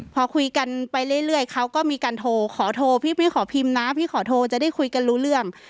พอคุยกันไปเรื่อยเขาก็มีการโทรขอโทรพี่พี่ขอพิมพ์นะพี่ขอโทรจะได้คุยกันรู้เรื่อง